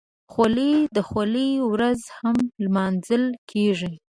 خولۍ د خولۍ ورځ هم لمانځل کېږي.